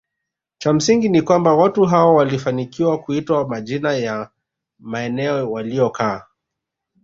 Cha msingi ni kwamba watu hao walifanikiwa kuitwa majina ya maeneo waliyokaa